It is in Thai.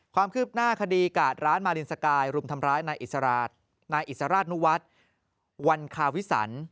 ความคืบหน้าคดีกาดร้านมารินสกายรุมทำร้ายนายอิสราชนุวัฒน์วันคาวิสัน